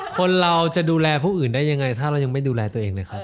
คนเราจะดูแลผู้อื่นได้ยังไงถ้าเรายังไม่ดูแลตัวเองเลยครับ